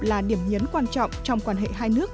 là điểm nhấn quan trọng trong quan hệ hai nước